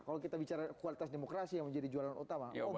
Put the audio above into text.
kalau kita bicara kualitas demokrasi yang menjadi jualan utama